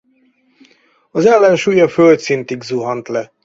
Az ellensúly a földszintig zuhant le.